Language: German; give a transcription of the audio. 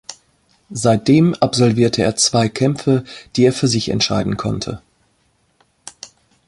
Seitdem absolvierte er zwei Kämpfe die er für sich entscheiden konnte.